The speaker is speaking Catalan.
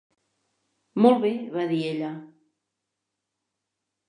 "Molt bé", va dir ella.